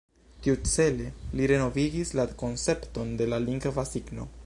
Tiucele li renovigis la koncepton de la lingva signo.